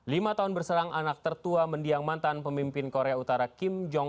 lima tahun berserang anak tertua mendiang mantan pemimpin korea utara kim jong